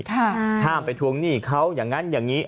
ห้ามไปทวงหนี้เขาอย่างนั้นอย่างนี้